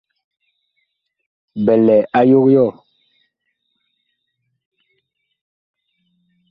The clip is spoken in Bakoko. Bi lɛ a yog yɔɔ.